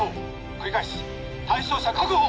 繰り返す対象者確保！